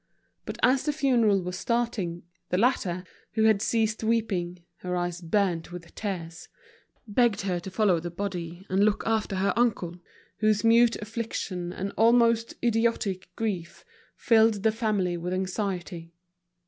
But as the funeral was starting, the latter—who had ceased weeping, her eyes burnt with tears—begged her to follow the body and look after her uncle, whose mute affliction and almost idiotic grief filled the family with anxiety.